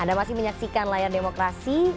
anda masih menyaksikan layar demokrasi